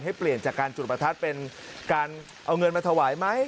เปลี่ยนจากการจุดประทัดเป็นการเอาเงินมาถวายไหม